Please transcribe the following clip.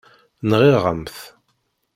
Nɣiɣ-am-t.